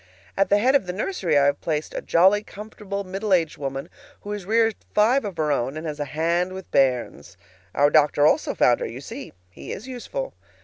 At the head of the nursery I have placed a jolly, comfortable middle aged woman who has reared five of her own and has a hand with bairns. Our doctor also found her. You see, he is useful.